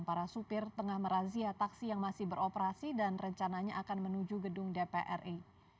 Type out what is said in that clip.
para supir tengah merazia taksi yang masih beroperasi dan rencananya akan menuju gedung dpri